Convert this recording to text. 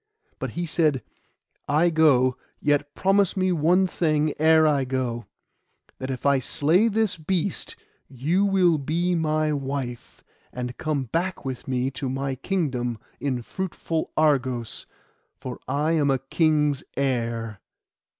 But he said, 'I go; yet promise me one thing ere I go: that if I slay this beast you will be my wife, and come back with me to my kingdom in fruitful Argos, for I am a king's heir.